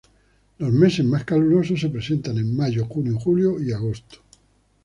Los meses más calurosos se presentan en mayo, junio, julio y agosto.